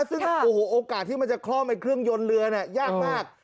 ซึ่งโอกาสที่จะคล่อคือเครื่องยนต์เรือยากมาก